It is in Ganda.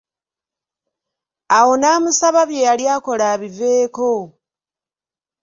Awo n'amusaba bye yali akola abiveeko.